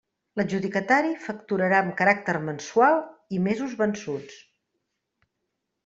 L'adjudicatari facturarà amb caràcter mensual i mesos vençuts.